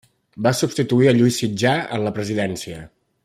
Va substituir a Lluís Sitjar en la presidència.